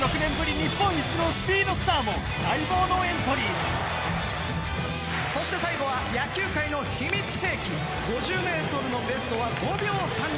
日本一のスピードスターも待望のエントリーそして最後は野球界の秘密兵器５０ｍのベストは５秒３２